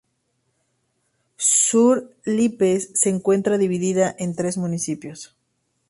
Sur Lípez se encuentra dividida en tres municipios.